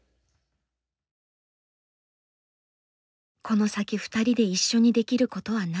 この先２人で一緒にできることは何か。